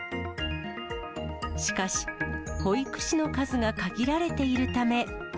しかし、保育士の数が限られているため。